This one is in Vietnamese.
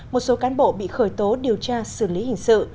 một số cán bộ bị khởi tố điều tra xử lý hình sự